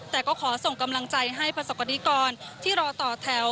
แต่ก็ขอส่งกำลังใจให้ประสบกรณิกรที่รอต่อแถว